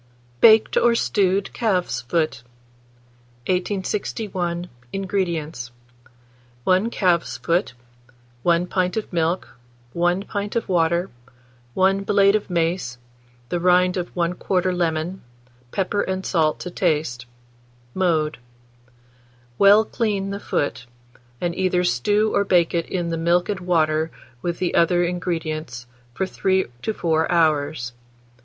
BAKED OR STEWED CALF'S FOOT. 1861. INGREDIENTS. 1 calf's foot, 1 pint of milk, 1 pint of water, 1 blade of mace, the rind of 1/4 lemon, pepper and salt to taste. Mode. Well clean the foot, and either stew or bake it in the milk and water with the other ingredients from 3 to 4 hours.